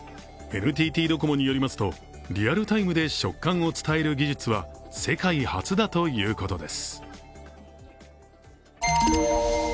ＮＴＴドコモによりますとリアルタイムで触感を伝える技術は世界初だということです。